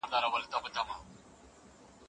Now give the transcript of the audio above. ولي کوښښ کوونکی د مخکښ سړي په پرتله موخي ترلاسه کوي؟